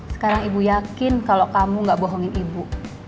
sekarang ibu yakin kalau kamu gak bohongin ibu